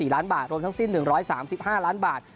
๔ล้านบาทรวมทั้งสิ้น๑๓๕ล้านบาท